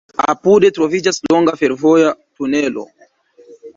Apude troviĝas longa fervoja tunelo.